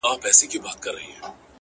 چي کله ستا د حسن په جلوه کي سره ناست و!!